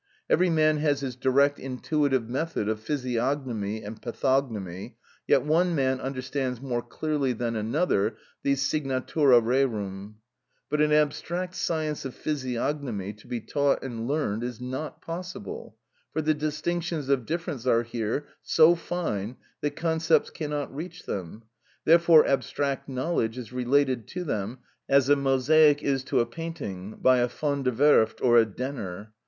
Every man has his direct intuitive method of physiognomy and pathognomy, yet one man understands more clearly than another these signatura rerum. But an abstract science of physiognomy to be taught and learned is not possible; for the distinctions of difference are here so fine that concepts cannot reach them; therefore abstract knowledge is related to them as a mosaic is to a painting by a Van der Werft or a Denner.